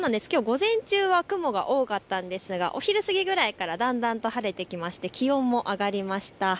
きょう午前中は雲が多かったんですが、お昼過ぎぐらいからだんだんと晴れてきまして、気温も上がりました。